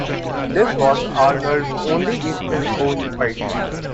This was Arnold's only Eastern coast fight.